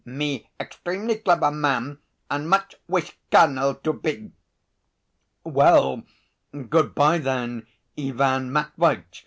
Me extremely clever man and much wish colonel to be!" "Well, good bye, then, Ivan Matveitch!"